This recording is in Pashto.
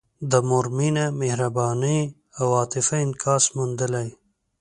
د مور مینه، مهرباني او عاطفه انعکاس موندلی.